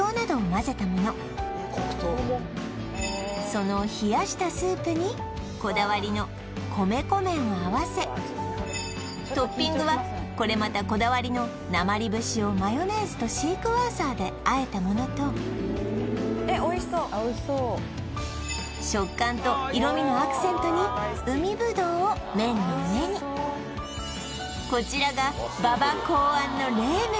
その冷やしたスープにこだわりの米粉麺を合わせトッピングはこれまたこだわりのなまり節をマヨネーズとシークワーサーであえたものとえっおいしそうあっおいしそう食感と色味のアクセントに海ぶどうを麺の上にこちらが馬場考案の冷麺